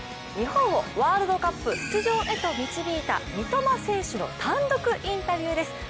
日本をワールドカップ出場へと導いた三笘選手の単独インタビューです。